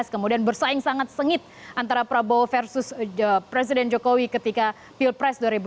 kemudian bersaing sangat sengit antara prabowo versus presiden jokowi ketika pilpres dua ribu sembilan belas